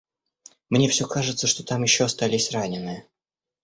Мне все кажется, что там еще остались раненые.